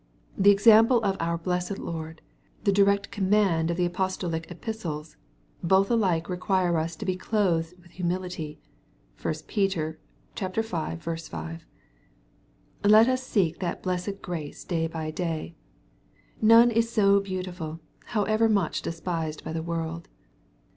The example of our blessed Lord, the direct command of the apostolic Epistles, both alike require us to be " clothed with humility." (1 Peter v, 5.) Let us seek that blessed grace day by day. None is so beautiful, however much despised by the world.